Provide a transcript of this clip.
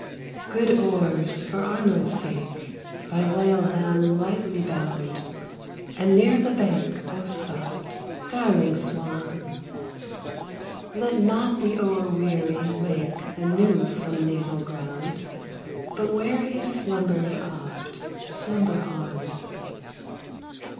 Good oars, for Arnold's sake, By Laleham lightly bound, And near the bank, O soft, Darling swan! Let not the o'erweary wake Anew from natal ground, But where he slumbered oft, Slumber on.